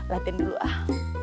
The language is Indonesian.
latihan dulu ah